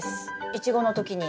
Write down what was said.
イチゴの時に。